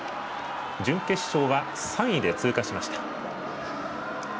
準決勝は３位で通過しました。